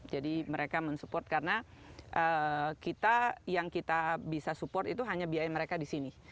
jadi mereka mensupport karena kita yang kita bisa support itu hanya biaya mereka di sini